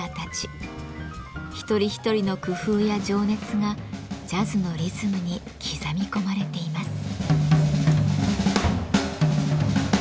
一人一人の工夫や情熱がジャズのリズムに刻み込まれています。